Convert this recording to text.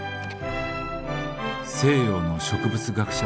「西洋の植物学者